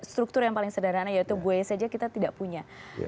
struktur yang paling sederhana yaitu buaya saja kita tidak punya